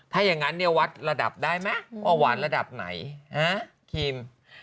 ถ้าอย่างนั้นเนี่ยวัดระดับได้ไหมว่าหวานระดับไหนครีม